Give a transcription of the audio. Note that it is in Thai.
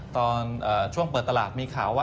ตอนช่วงเปิดตลาดมีข่าวว่า